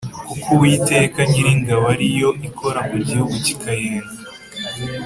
kuko Uwiteka Imana Nyiringabo ari yo ikora ku gihugu kikayenga